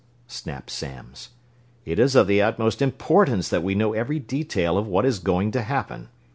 snapped Samms. "It is of the utmost importance that we know every detail of what is going to happen.